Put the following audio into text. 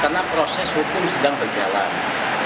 karena proses hukum sedang berjalan